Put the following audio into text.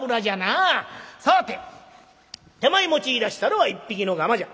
さあて手前持ちいだしたるは一匹のがまじゃ。